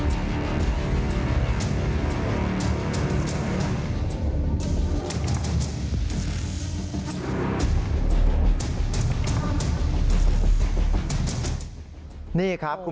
ที่ทายาทอีกครั้ง